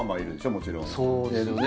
もちろんそうですよね